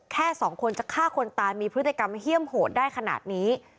แค่สองคนจะฆ่าคนตายมีพฤติกรรมเฮี่ยมโหดได้ขนาดนี้